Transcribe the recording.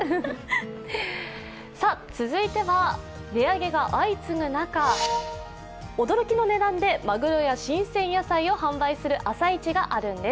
続いては値上げが相次ぐ中驚きの値段でまぐろや新鮮野菜を販売する朝市があるんです。